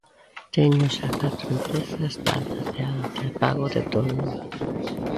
Teño xa catro empresas dadas de alta e fago de todo.